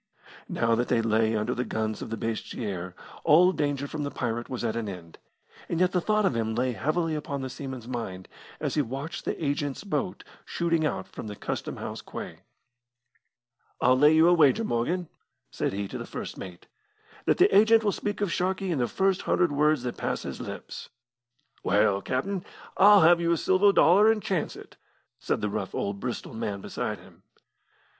Now that they lay under the guns of Basseterre, all danger from the pirate was at an end, and yet the thought of him lay heavily upon the seaman's mind as he watched the agent's boat shooting out from the Custom house quay. "I'll lay you a wager, Morgan," said he to the first mate, "that the agent will speak of Sharkey in the first hundred words that pass his lips." "Well, captain, I'll have you a silver dollar, and chance it," said the rough old Bristol man beside him.